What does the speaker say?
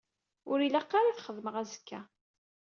Ur ilaq ara ad txedmeɣ azekka?